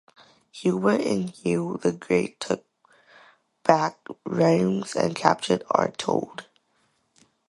Herbert and Hugh the Great took back Rheims and captured Artaud.